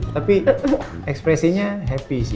tapi ekspresinya happy sih